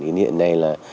ý hiện nay là